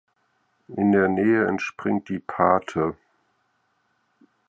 In der Nähe entspringt die Parthe.